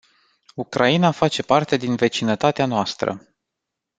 Ucraina face parte din vecinătatea noastră.